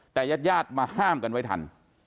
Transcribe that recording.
แต่ญาติญาติมาห้ามกันไว้ทัน